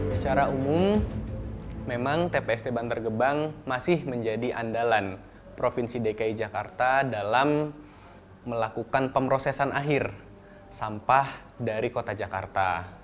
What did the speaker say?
secara umum memang tpst bantar gebang masih menjadi andalan provinsi dki jakarta dalam melakukan pemrosesan akhir sampah dari kota jakarta